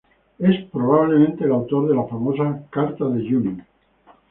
Es probablemente el autor de las famosas "Cartas de Junius".